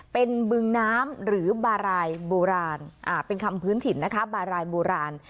เป็นบึงน้ำหรือบารายโบราณเป็นคำพื้นถิ่นนะคะบารายโบราณ